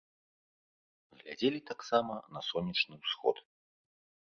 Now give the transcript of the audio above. Глядзелі таксама на сонечны ўсход.